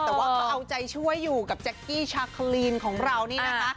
แต่ว่าก็เอาใจช่วยอยู่กับแจ๊กกี้ชาคลีนของเรานี่นะคะ